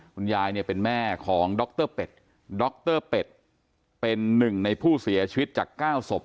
คุณยายเนี่ยเป็นแม่ของดรเป็ดดรเป็ดเป็นหนึ่งในผู้เสียชีวิตจาก๙ศพ